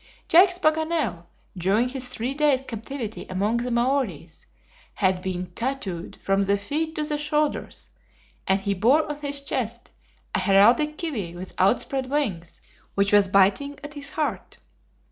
Jacques Paganel, during his three days' captivity among the Maories, had been tattooed from the feet to the shoulders, and he bore on his chest a heraldic kiwi with outspread wings, which was biting at his heart.